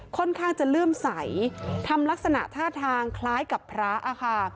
ค่อนข้างจะเลื่อมใสทำลักษณะท่าทางคล้ายกับพระอะค่ะ